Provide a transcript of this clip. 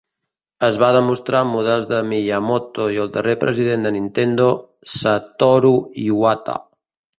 Es va demostrar amb models de Miyamoto i el darrer president de Nintendo, Satoru Iwata.